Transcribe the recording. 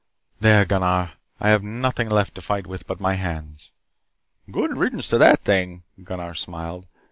"There, Gunnar. I have nothing left to fight with but my hands." "Good riddance to that thing," Gunnar smiled.